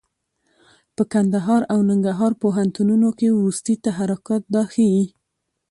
په کندهار او ننګرهار پوهنتونونو کې وروستي تحرکات دا ښيي.